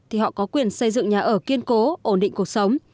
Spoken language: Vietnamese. thì họ có quyền xây dựng nhà ở kiên cố ổn định cuộc sống